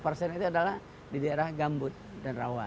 nah ini sebenarnya memiliki ya di daerah gambut dan rawah